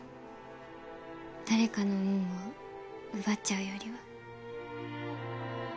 誰かの運を奪っちゃうよりは。